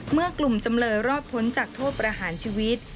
เมื่อกลุ่มจำเลยรอดพ้นจากโทษประหารชีวิต